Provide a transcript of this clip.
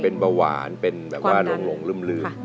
เป็นเบาหวานเป็นแบบว่าหลงลืม